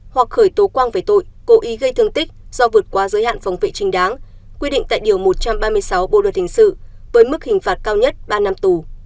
hoặc khởi tố quang về tội cố ý gây thương tích do vượt qua giới hạn phòng vệ trình đáng quy định tại điều một trăm ba mươi sáu bộ luật hình sự với mức hình phạt cao nhất ba năm tù